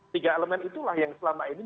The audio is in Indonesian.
tiga elemen itulah yang selama ini